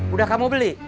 udah kamu beli